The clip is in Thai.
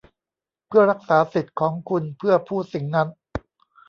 เพื่อรักษาสิทธิ์ของคุณเพื่อพูดสิ่งนั้น